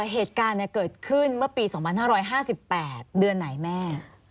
เหตุการณ์เกิดขึ้นเมื่อปี๒๕๕๘เดือนไหนแม่